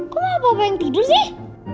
kok malah papa yang tidur sih